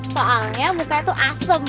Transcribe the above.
soalnya mukanya tuh asem